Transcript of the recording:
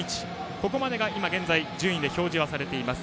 ここまでが今現在順位で表示されています。